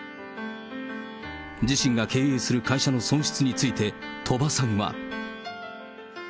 自身が経営する会社の損失について、鳥羽さんは。